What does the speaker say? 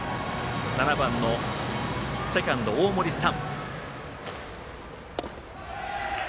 ７番のセカンド、大森燦。